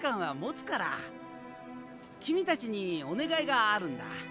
君たちにお願いがあるんだ。